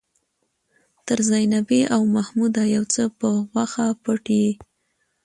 تر زينبې او محموده يو څه په غوښه پټ يې.